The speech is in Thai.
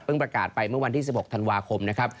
ประกาศไปเมื่อวันที่๑๖ธันวาคมนะครับ